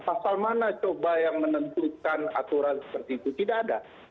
pasal mana coba yang menentukan aturan seperti itu tidak ada